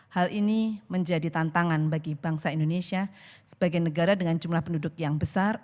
hal ini menjadi tantangan bagi bangsa indonesia sebagai negara dengan jumlah penduduk yang besar